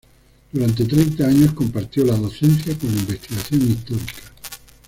Durante treinta años compartió la docencia con la investigación histórica.